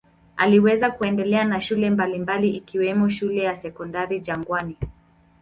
Aliweza kuendelea na shule mbalimbali ikiwemo shule ya Sekondari Jangwani.